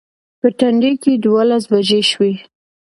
په تندي کې دولس بجې شوې.